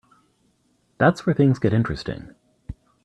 That's where things get interesting.